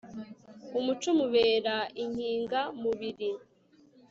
umuco umubera inkinga mubiri